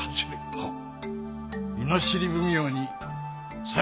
はっ？